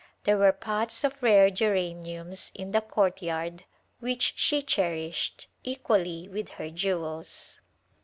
There were pots of rare geraniums in the courtyard which she cherished equally with her jewels.